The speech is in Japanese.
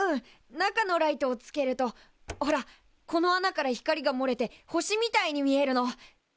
中のライトをつけるとほらこの穴から光がもれて星みたいに見えるの。